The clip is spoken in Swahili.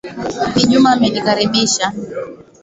Bi Juma amenikaribisha.